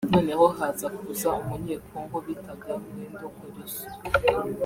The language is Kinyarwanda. noneho haza kuza umunyekongo bitaga Wendo Kolosoy